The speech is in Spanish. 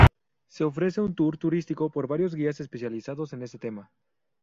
Se ofrece un tour turístico por varios guías especializados en ese tema.